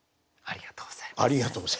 ありがとうございます。